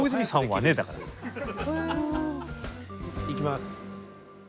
いきます。